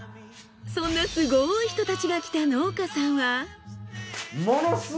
そんなすごい人たちが来た農家さんは。